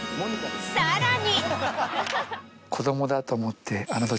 さらに。